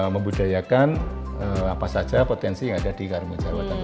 membudayakan apa saja potensi yang ada di karimun jawa tengah